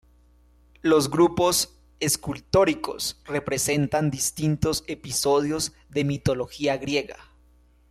Los grupos escultóricos representan distintos episodios de mitología griega.